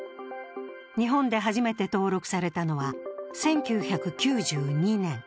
日本で初めて登録されたのは１９９２年。